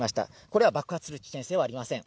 これは爆発する危険性はありません。